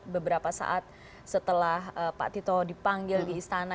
beberapa saat setelah pak tito dipanggil di istana